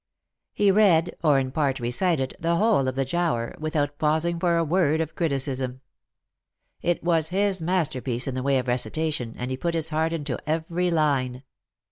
He read, or in part recited, the whole of the Giaour, without pausing for a word of criticism. It was his masterpiece in the way of recitation, and he put his heart into every line.